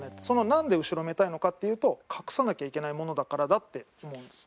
なんで後ろめたいのかっていうと隠さなきゃいけないものだからだって思うんですよ。